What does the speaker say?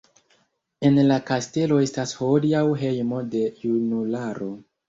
En la kastelo estas hodiaŭ hejmo de junularo.